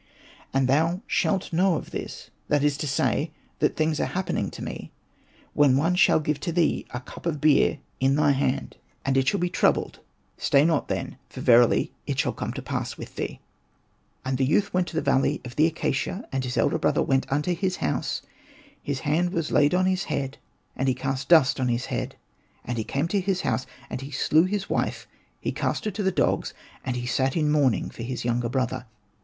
And thou shalt know of this, that is to say, that things are happening to me, when one shall give to thee a cup of beer in thy hand, Hosted by Google ANPU AND BATA 49 and it shall be troubled ; stay not then, for verily it shall come to pass with thee/' And the youth went to the valley of the acacia ; and his elder brother went unto his house ; his hand was laid on his head, and he cast dust on his head ; he came to his house, and he slew his wife, he cast her to the dogs, and he sat in mourning for his younger brother.